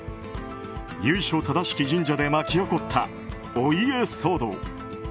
由緒正しき神社で巻き起こったお家騒動。